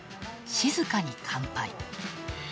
静かに乾杯。